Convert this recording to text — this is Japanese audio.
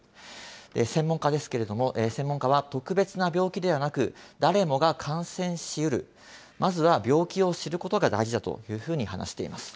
専門家ですけれども、専門家は、特別な病気ではなく、誰もが感染しうる、まずは病気を知ることが大事だというふうに話しています。